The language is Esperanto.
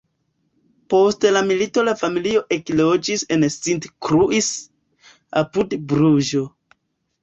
Post la milito la familio ekloĝis en Sint-Kruis, apud Bruĝo.